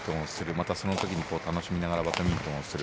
またその時に楽しみながらバドミントンをする。